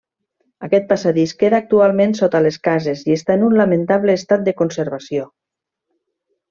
Aquest passadís queda actualment sota les cases i està en un lamentable estat de conservació.